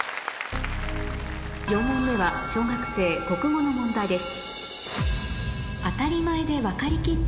４問目は小学生国語の問題です